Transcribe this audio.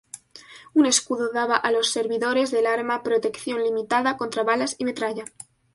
Un escudo daba a los servidores del arma protección limitada contra balas y metralla.